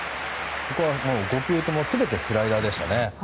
ここは５球とも全てスライダーでしたね。